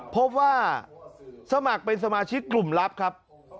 พบว่าสมัครเป็นสมาชิกกลุ่มลับครับ